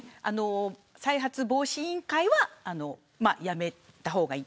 再発防止委員会は辞めた方がいいと。